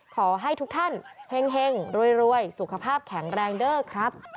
ขอให้ทุกท่านเฮ็งรวยสุขภาพแข็งแรงเด้อครับ